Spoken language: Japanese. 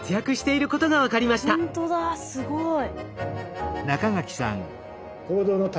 すごい。